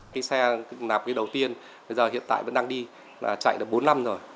cái xe nạp cái đầu tiên bây giờ hiện tại vẫn đang đi là chạy được bốn năm rồi